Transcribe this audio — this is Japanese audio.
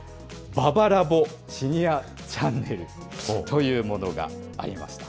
ババラボシニアチャンネルというものがあります。